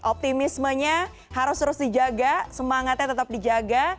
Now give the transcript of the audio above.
optimismenya harus terus dijaga semangatnya tetap dijaga